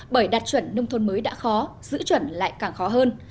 bởi đạt chuẩn nông thôn mới đã khó giữ chuẩn lại càng khó hơn